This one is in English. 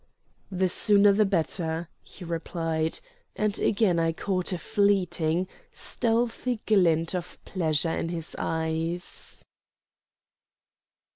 "The sooner the better," he replied; and again I caught a fleeting, stealthy glint of pleasure in his eyes.